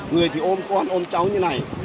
người thì ôm con ôm cháu như này